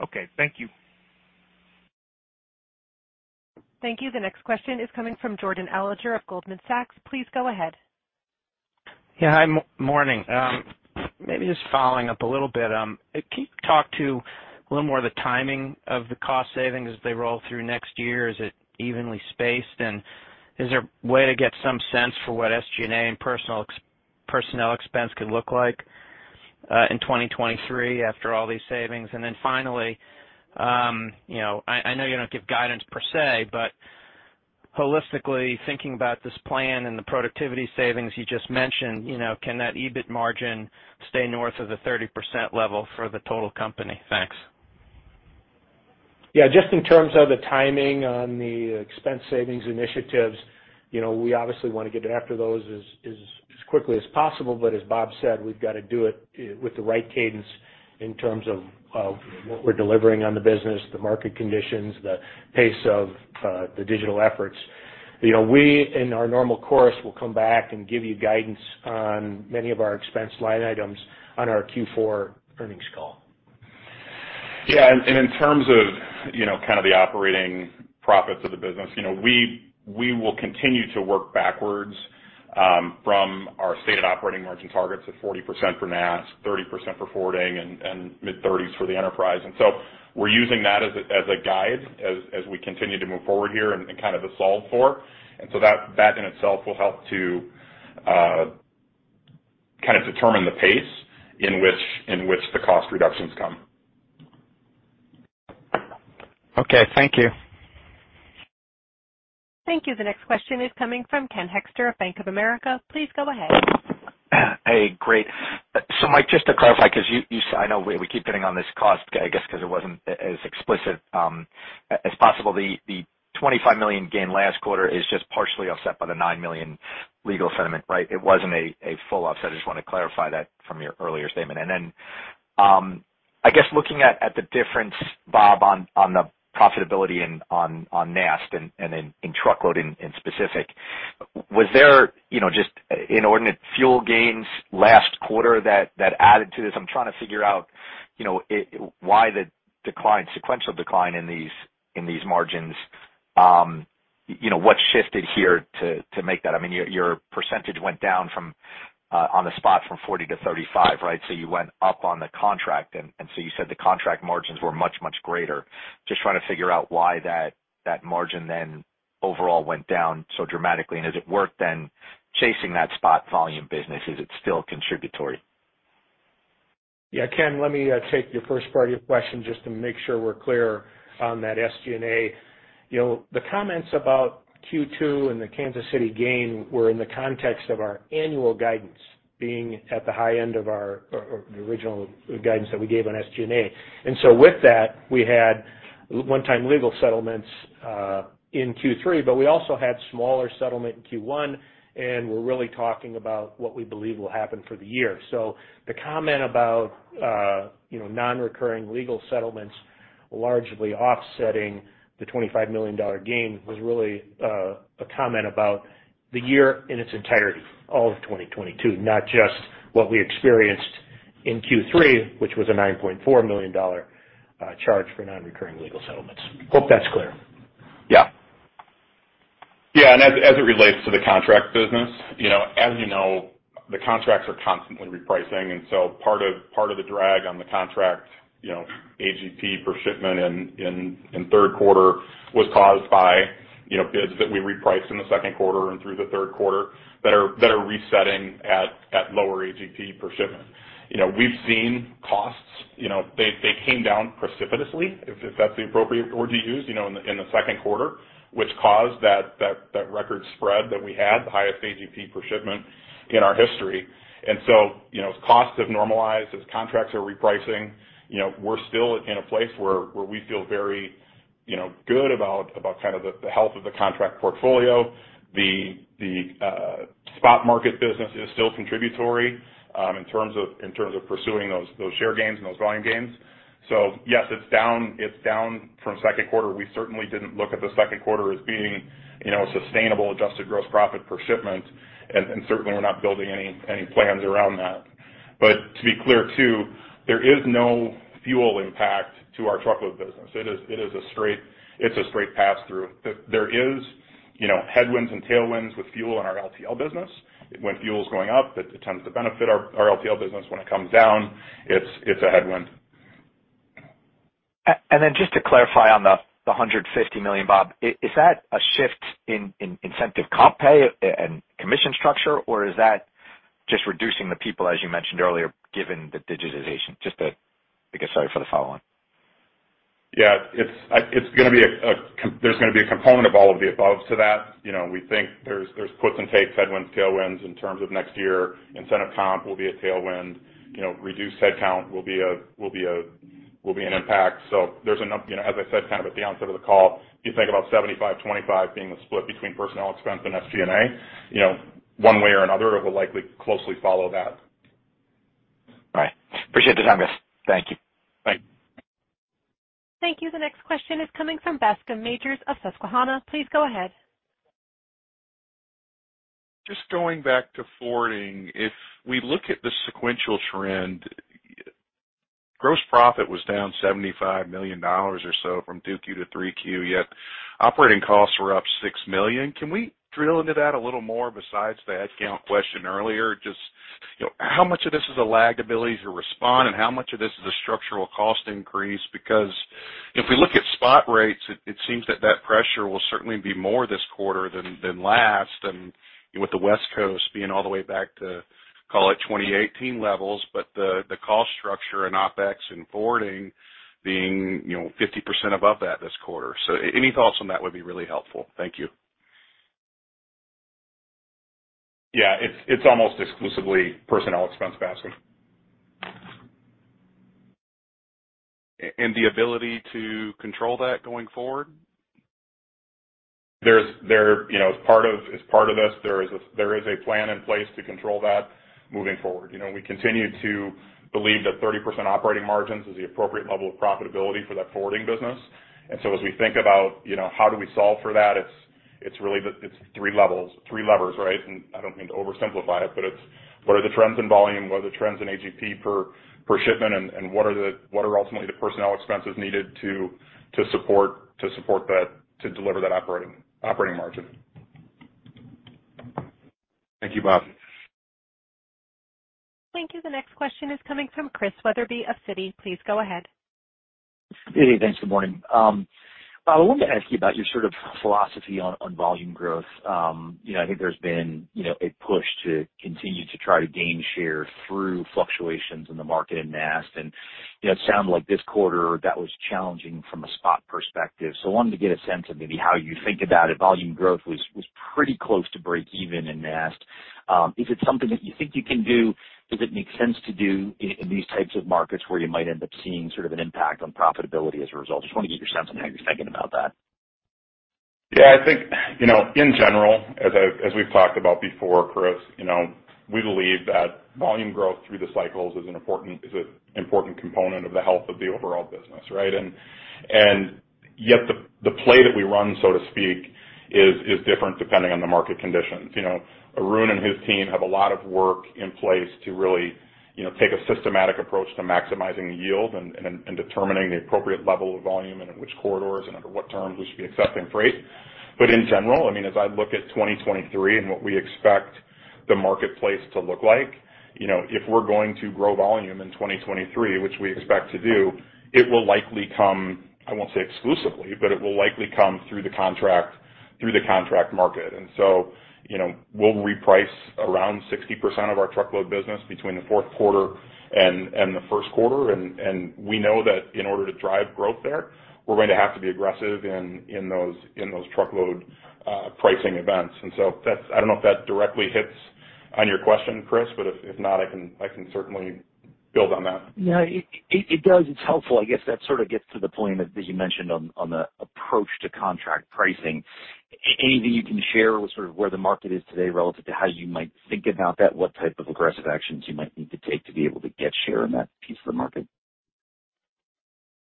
Okay, thank you. Thank you. The next question is coming from Jordan Alliger of Goldman Sachs. Please go ahead. Hi, morning. Maybe just following up a little bit. Can you talk a little more about the timing of the cost savings as they roll through next year? Is it evenly spaced? Is there a way to get some sense for what SG&A and personnel expense could look like in 2023 after all these savings? Then finally, you know, I know you don't give guidance per se, but holistically thinking about this plan and the productivity savings you just mentioned, you know, can that EBIT margin stay north of the 30% level for the total company? Thanks. Yeah. Just in terms of the timing on the expense savings initiatives, you know, we obviously wanna get after those as quickly as possible, but as Bob said, we've gotta do it with the right cadence in terms of what we're delivering on the business, the market conditions, the pace of the digital efforts. You know, we, in our normal course, will come back and give you guidance on many of our expense line items on our Q4 earnings call. Yeah. In terms of, you know, kind of the operating profits of the business, you know, we will continue to work backwards from our stated operating margin targets of 40% for NAST, 30% for forwarding and mid-30s% for the enterprise. We're using that as a guide as we continue to move forward here and kind of a sort of. That in itself will help to kind of determine the pace in which the cost reductions come. Okay, thank you. Thank you. The next question is coming from Ken Hoexter of Bank of America. Please go ahead. Hey, great. Mike, just to clarify, because I know we keep getting on this cost, I guess, because it wasn't as explicit as possible. The $25 million gain last quarter is just partially offset by the $9 million legal settlement, right? It wasn't a full offset. I just want to clarify that from your earlier statement. Then, I guess looking at the difference, Bob, on the profitability and on NAST and then in truckload in specific, was there just inordinate fuel gains last quarter that added to this? I'm trying to figure out why the decline, sequential decline in these margins. What shifted here to make that? I mean, your percentage went down from on the spot from 40% to 35%, right? You went up on the contract. You said the contract margins were much, much greater. Just trying to figure out why that margin then overall went down so dramatically. Is it worth then chasing that spot volume business? Is it still contributory? Yeah. Ken, let me take your first part of your question just to make sure we're clear on that SG&A. You know, the comments about Q2 and the Kansas City gain were in the context of our annual guidance being at the high end of the original guidance that we gave on SG&A. With that, we had one-time legal settlements in Q3, but we also had smaller settlement in Q1, and we're really talking about what we believe will happen for the year. The comment about, you know, non-recurring legal settlements largely offsetting the $25 million gain was really a comment about the year in its entirety, all of 2022, not just what we experienced in Q3, which was a $9.4 million charge for non-recurring legal settlements. Hope that's clear. Yeah. As it relates to the contract business, you know, as you know, the contracts are constantly repricing, and so part of the drag on the contract, you know, AGP per shipment in third quarter was caused by, you know, bids that we repriced in the second quarter and through the third quarter that are resetting at lower AGP per shipment. You know, we've seen costs, you know, they came down precipitously, if that's the appropriate word to use, you know, in the second quarter, which caused that record spread that we had, the highest AGP per shipment in our history. You know, as costs have normalized, as contracts are repricing, you know, we're still in a place where we feel very good about the health of the contract portfolio. The spot market business is still contributory in terms of pursuing those share gains and those volume gains. Yes, it's down from second quarter. We certainly didn't look at the second quarter as being a sustainable adjusted gross profit per shipment, and certainly we're not building any plans around that. To be clear too, there is no fuel impact to our truckload business. It is a straight pass-through. There is headwinds and tailwinds with fuel in our LTL business. When fuel is going up, it tends to benefit our LTL business. When it comes down, it's a headwind. Just to clarify on the $150 million, Bob, is that a shift in incentive comp pay and commission structure, or is that just reducing the people, as you mentioned earlier, given the digitization? Just to get started for the follow on. Yeah. It's gonna be a component of all of the above to that. You know, we think there's puts and takes, headwinds, tailwinds in terms of next year. Incentive comp will be a tailwind. You know, reduced headcount will be an impact. You know, as I said kind of at the onset of the call, you think about 75, 25 being the split between personnel expense and SG&A. One way or another, it will likely closely follow that. All right. Appreciate the time, guys. Thank you. Bye. Thank you. The next question is coming from Bascome Majors of Susquehanna. Please go ahead. Just going back to forwarding. If we look at the sequential trend, gross profit was down $75 million or so from 2Q to 3Q, yet operating costs were up $6 million. Can we drill into that a little more besides the headcount question earlier? Just, you know, how much of this is a lagged ability to respond and how much of this is a structural cost increase? Because if we look at spot rates, it seems that that pressure will certainly be more this quarter than last. With the West Coast being all the way back to, call it, 2018 levels, but the cost structure and OpEx and forwarding being, you know, 50% above that this quarter. Any thoughts on that would be really helpful. Thank you. Yeah, it's almost exclusively personnel expense, Bascome. The ability to control that going forward? There is a plan in place to control that moving forward. You know, we continue to believe that 30% operating margins is the appropriate level of profitability for that forwarding business. As we think about, you know, how do we solve for that, it's really the three levels, three levers, right? I don't mean to oversimplify it, but it's what are the trends in volume, what are the trends in AGP per shipment, and what are ultimately the personnel expenses needed to support that, to deliver that operating margin. Thank you, Bob. Thank you. The next question is coming from Chris Wetherbee of Citi. Please go ahead. Hey, thanks. Good morning. I wanted to ask you about your sort of philosophy on volume growth. You know, I think there's been a push to continue to try to gain share through fluctuations in the market in NAST. You know, it sounded like this quarter that was challenging from a spot perspective. I wanted to get a sense of maybe how you think about it. Volume growth was pretty close to break even in NAST. Is it something that you think you can do? Does it make sense to do in these types of markets where you might end up seeing sort of an impact on profitability as a result? Just want to get your sense on how you're thinking about that. Yeah, I think, you know, in general, as we've talked about before, Chris, you know, we believe that volume growth through the cycles is an important component of the health of the overall business, right? Yet the play that we run, so to speak, is different depending on the market conditions. You know, Arun and his team have a lot of work in place to really, you know, take a systematic approach to maximizing yield and determining the appropriate level of volume and in which corridors and under what terms we should be accepting freight. In general, I mean, as I look at 2023 and what we expect the marketplace to look like, you know, if we're going to grow volume in 2023, which we expect to do, it will likely come, I won't say exclusively, but it will likely come through the contract, through the contract market. You know, we'll reprice around 60% of our truckload business between the fourth quarter and the first quarter. We know that in order to drive growth there, we're going to have to be aggressive in those truckload pricing events. That's—I don't know if that directly hits on your question, Chris, but if not, I can certainly build on that. No, it does. It's helpful. I guess that sort of gets to the point that you mentioned on the approach to contract pricing. Anything you can share with sort of where the market is today relative to how you might think about that? What type of aggressive actions you might need to take to be able to get share in that piece of the market?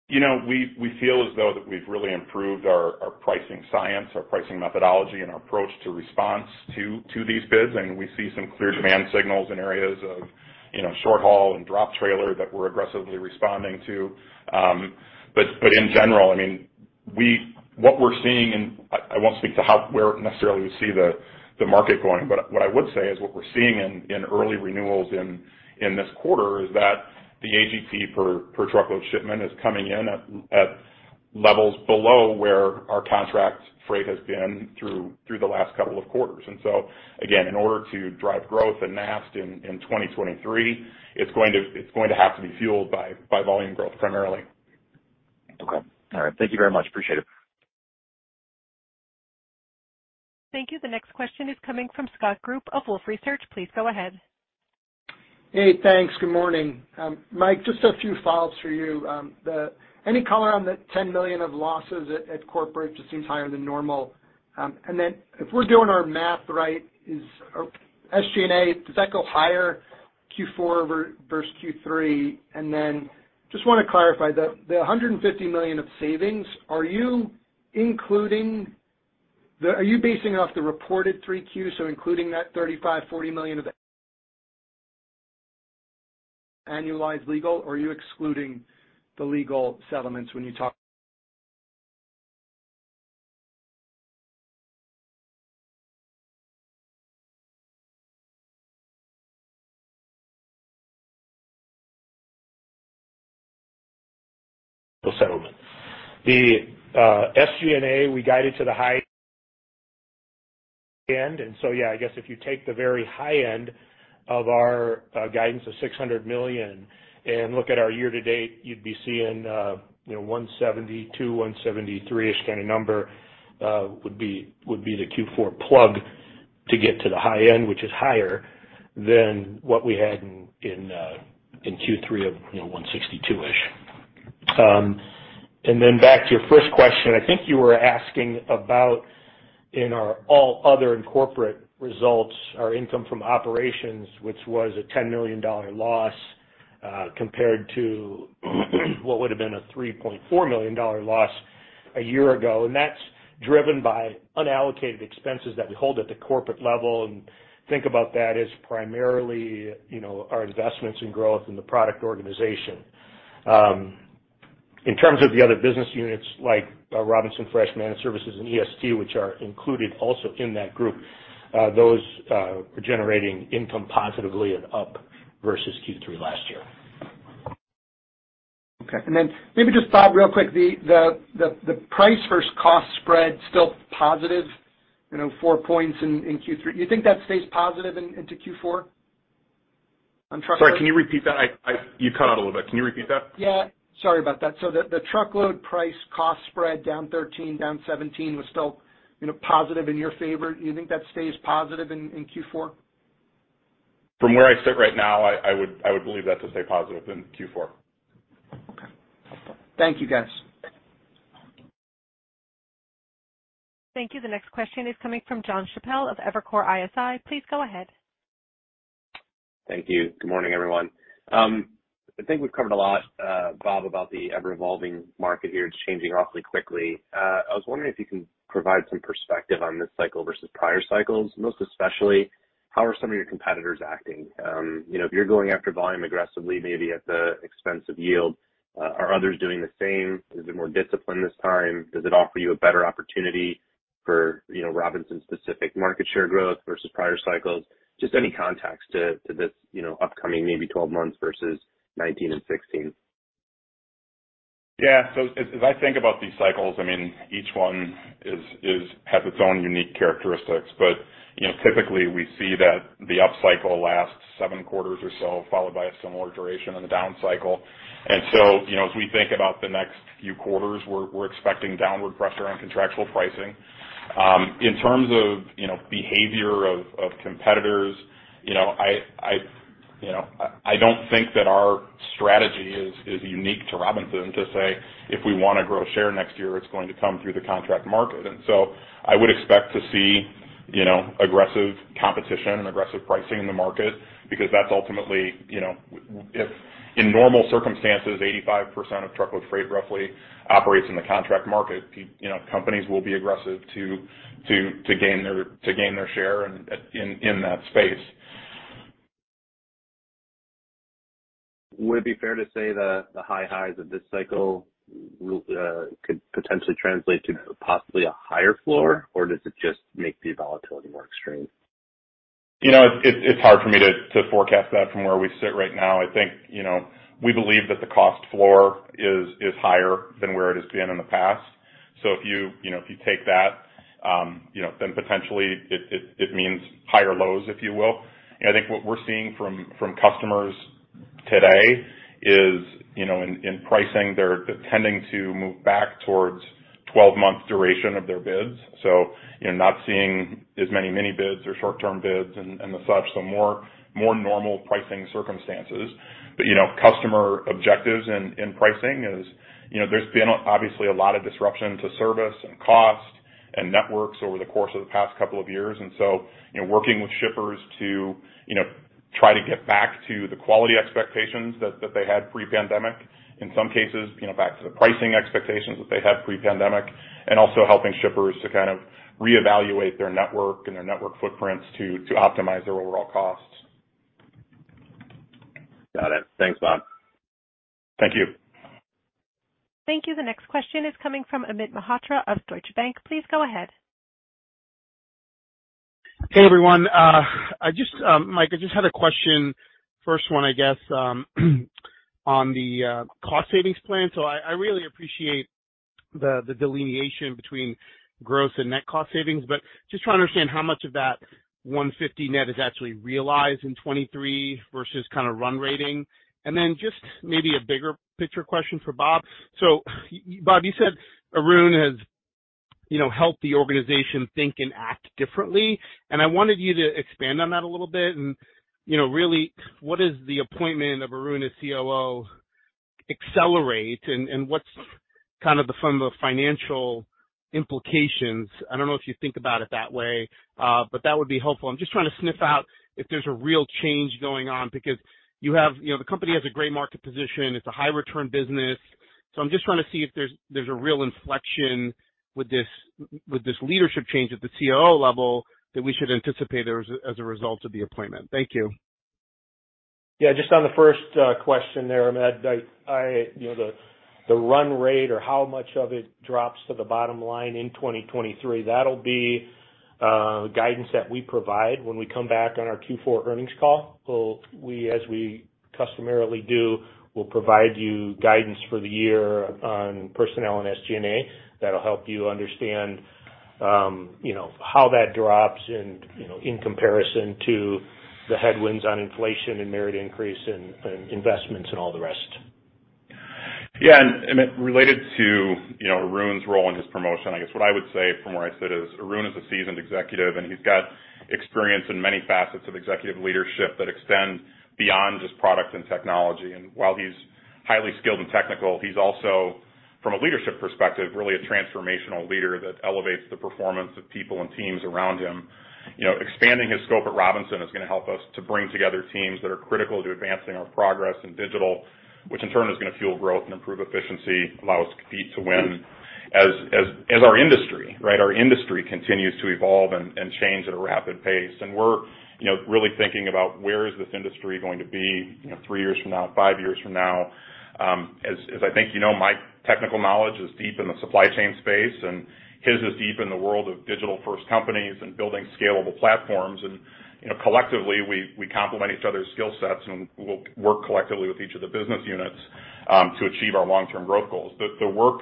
You know, we feel as though that we've really improved our pricing science, our pricing methodology, and our approach to response to these bids. We see some clear demand signals in areas of, you know, short haul and drop trailer that we're aggressively responding to. In general, I mean, what we're seeing, and I won't speak to how, where necessarily we see the market going, but what I would say is what we're seeing in early renewals in this quarter is that the AGP per truckload shipment is coming in at levels below where our contract freight has been through the last couple of quarters. Again, in order to drive growth at NAST in 2023, it's going to have to be fueled by volume growth primarily. Okay. All right. Thank you very much. Appreciate it. Thank you. The next question is coming from Scott Group of Wolfe Research. Please go ahead. Hey, thanks. Good morning. Mike, just a few follow-ups for you. Any color on the $10 million of losses at corporate just seems higher than normal. If we're doing our math right, is SG&A, does that go higher Q4 versus Q3? Just want to clarify the $150 million of savings. Are you basing off the reported three Qs, so including that $35-$40 million of annualized legal? Or are you excluding the legal settlements when you talk- The settlement. The SG&A, we guided to the high end. Yeah, I guess if you take the very high end of our guidance of $600 million and look at our year to date, you'd be seeing, you know, 172, 173-ish kind of number, would be the Q4 plug to get to the high end, which is higher than what we had in Q3 of, you know, 162-ish. Back to your first question. I think you were asking about in our all other and corporate results, our income from operations, which was a $10 million loss, compared to what would have been a $3.4 million loss a year ago. That's driven by unallocated expenses that we hold at the corporate level and think about that as primarily, you know, our investments in growth in the product organization. In terms of the other business units like Robinson Fresh, Managed Services and EST, which are included also in that group, those are generating income positively and up versus Q3 last year. Okay. Then maybe just, Bob, real quick, the price versus cost spread still positive, you know, 4 points in Q3. You think that stays positive into Q4 on truckload? Sorry, can you repeat that? You cut out a little bit. Can you repeat that? Yeah. Sorry about that. The truckload price cost spread down 13, down 17 was still, you know, positive in your favor. You think that stays positive in Q4? From where I sit right now, I would believe that to stay positive in Q4. Okay. Thank you, guys. Thank you. The next question is coming from Jon Chappell of Evercore ISI. Please go ahead. Thank you. Good morning, everyone. I think we've covered a lot, Bob, about the ever-evolving market here. It's changing awfully quickly. I was wondering if you can provide some perspective on this cycle versus prior cycles. Most especially, how are some of your competitors acting? You know, if you're going after volume aggressively, maybe at the expense of yield, are others doing the same? Is it more discipline this time? Does it offer you a better opportunity for, you know, Robinson specific market share growth versus prior cycles? Just any context to this, you know, upcoming maybe 12 months versus 2019 and 2016. As I think about these cycles, I mean, each one has its own unique characteristics. You know, typically we see that the upcycle lasts seven quarters or so, followed by a similar duration in the down cycle. You know, as we think about the next few quarters, we're expecting downward pressure on contractual pricing. In terms of, you know, behavior of competitors, you know, I don't think that our strategy is unique to Robinson to say, if we wanna grow share next year, it's going to come through the contract market. I would expect to see, you know, aggressive competition and aggressive pricing in the market because that's ultimately, you know, where if in normal circumstances, 85% of truckload freight roughly operates in the contract market. You know, companies will be aggressive to gain their share in that space. Would it be fair to say the high highs of this cycle could potentially translate to possibly a higher floor, or does it just make the volatility more extreme? You know, it's hard for me to forecast that from where we sit right now. I think, you know, we believe that the cost floor is higher than where it has been in the past. If you know, if you take that, you know, then potentially it means higher lows, if you will. I think what we're seeing from customers today is, you know, in pricing, they're tending to move back towards 12-month duration of their bids. You're not seeing as many mini bids or short-term bids and such, so more normal pricing circumstances. You know, customer objectives in pricing is, you know, there's been obviously a lot of disruption to service and cost and networks over the course of the past couple of years. Working with shippers to, you know, try to get back to the quality expectations that they had pre-pandemic, in some cases, you know, back to the pricing expectations that they had pre-pandemic, and also helping shippers to kind of reevaluate their network and their network footprints to optimize their overall costs. Got it. Thanks, Bob. Thank you. Thank you. The next question is coming from Amit Mehrotra of Deutsche Bank. Please go ahead. Hey, everyone. I just had a question, first one, I guess, on the cost savings plan. I really appreciate the delineation between gross and net cost savings, but just trying to understand how much of that $150 net is actually realized in 2023 versus kind of run-rate. Then just maybe a bigger picture question for Bob. You, Bob, you said Arun has, you know, helped the organization think and act differently, and I wanted you to expand on that a little bit. You know, really, what is the appointment of Arun as COO accelerate and what's kind of from the financial implications? I don't know if you think about it that way, but that would be helpful. I'm just trying to sniff out if there's a real change going on because, you know, the company has a great market position. It's a high return business. I'm just trying to see if there's a real inflection with this leadership change at the COO level that we should anticipate as a result of the appointment. Thank you. Yeah, just on the first question there, I mean, you know, the run rate or how much of it drops to the bottom line in 2023, that'll be guidance that we provide when we come back on our Q4 earnings call. We'll, as we customarily do, provide you guidance for the year on personnel and SG&A. That'll help you understand, you know, how that drops and, you know, in comparison to the headwinds on inflation and merit increase and investments and all the rest. Yeah. Amit, related to, you know, Arun's role and his promotion, I guess what I would say from where I sit is Arun is a seasoned executive, and he's got experience in many facets of executive leadership that extend beyond just product and technology. While he's highly skilled and technical, he's also. From a leadership perspective, really a transformational leader that elevates the performance of people and teams around him. You know, expanding his scope at Robinson is gonna help us to bring together teams that are critical to advancing our progress in digital, which in turn is gonna fuel growth and improve efficiency, allow us to compete to win as our industry, right? Our industry continues to evolve and change at a rapid pace. We're, you know, really thinking about where is this industry going to be, you know, three years from now, five years from now. As I think you know, my technical knowledge is deep in the supply chain space, and his is deep in the world of digital first companies and building scalable platforms. You know, collectively we complement each other's skill sets and we'll work collectively with each of the business units to achieve our long-term growth goals. The work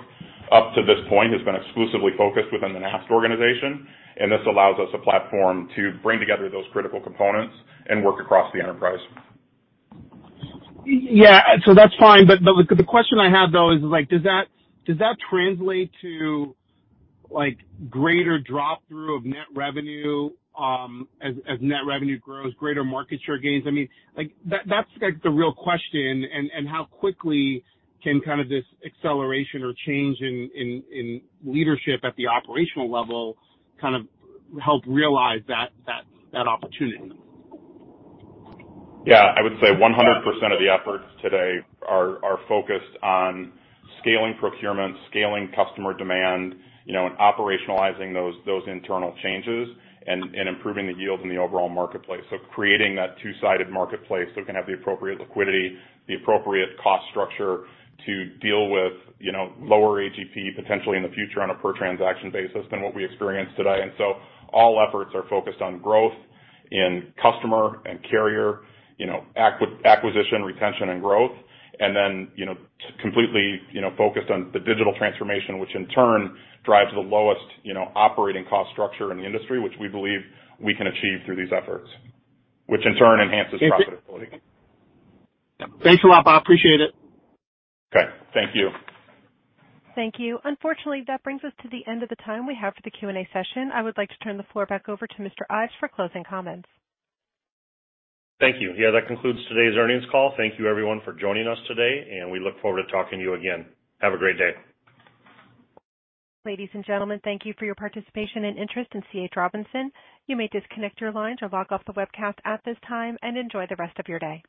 up to this point has been exclusively focused within the NAST organization, and this allows us a platform to bring together those critical components and work across the enterprise. Yeah. That's fine. The question I have though is like, does that translate to like greater drop through of net revenue, as net revenue grows, greater market share gains? I mean, like, that's the real question. How quickly can this acceleration or change in leadership at the operational level help realize that opportunity? Yeah. I would say 100% of the efforts today are focused on scaling procurement, scaling customer demand, you know, and operationalizing those internal changes and improving the yield in the overall marketplace. Creating that two-sided marketplace, so we can have the appropriate liquidity, the appropriate cost structure to deal with, you know, lower AGP potentially in the future on a per transaction basis than what we experience today. All efforts are focused on growth in customer and carrier, you know, acquisition, retention and growth. You know, completely, you know, focused on the digital transformation, which in turn drives the lowest, you know, operating cost structure in the industry, which we believe we can achieve through these efforts, which in turn enhances profitability. Thanks a lot, Bob. Appreciate it. Okay. Thank you. Thank you. Unfortunately, that brings us to the end of the time we have for the Q&A session. I would like to turn the floor back over to Mr. Ives for closing comments. Thank you. Yeah, that concludes today's earnings call. Thank you everyone for joining us today, and we look forward to talking to you again. Have a great day. Ladies and gentlemen, thank you for your participation and interest in C.H. Robinson. You may disconnect your lines or log off the webcast at this time, and enjoy the rest of your day.